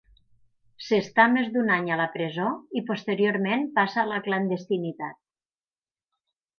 S'està més d'un any a la presó i posteriorment passa a la clandestinitat.